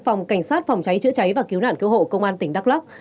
phòng cảnh sát phòng cháy chữa cháy và cứu nạn cứu hộ công an tỉnh đắk lắc